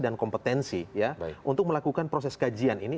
dan kompetensi untuk melakukan proses kajian ini